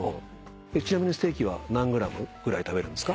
ちなみにステーキは何ｇぐらい食べるんですか？